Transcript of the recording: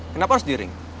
kenapa harus di ring